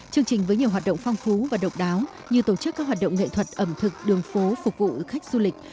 chương trình với nhiều hoạt động phong phú và độc đáo như tổ chức các hoạt động nghệ thuật ẩm thực đường phố phục vụ khách du lịch